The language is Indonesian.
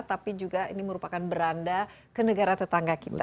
tapi ini juga merupakan beranda ke negara tetangga kita